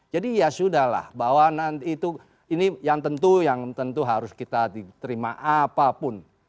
jadi ya sudah lah bahwa nanti itu ini yang tentu yang tentu harus kita diterima apapun